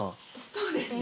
そうですね。